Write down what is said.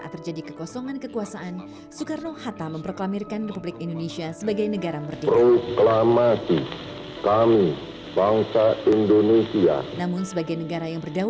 pertempuran sepuluh november seribu sembilan ratus empat puluh lima